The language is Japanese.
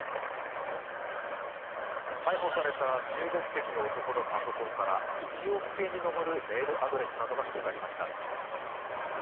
逮捕された中国籍の男のパソコンから１億件に上るメールアドレスなどが見つかりました。